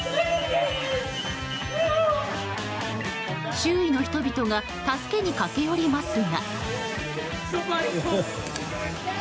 周囲の人々が助けに駆け寄りますが。